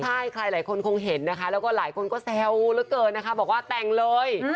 ใช่ใครหลายคนคงเห็นนะคะแล้วก็หลายคนก็แซวเหลือเกินนะคะบอกว่าแต่งเลย